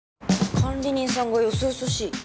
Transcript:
管理人さんがよそよそしい？